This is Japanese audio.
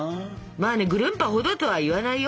まあねぐるんぱほどとは言わないよ。